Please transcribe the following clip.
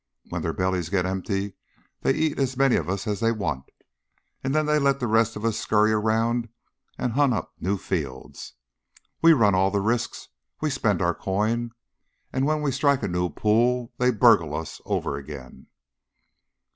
When their bellies get empty they eat as many of us as they want, then they let the rest of us scurry around and hunt up new fields. We run all the risks; we spend our coin, and when we strike a new pool they burgle us over again."